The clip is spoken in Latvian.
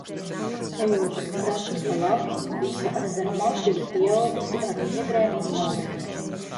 Ejot gar krastu pa labi, visa ezera mala bija pieaugusi ar niedrēm un meldriem.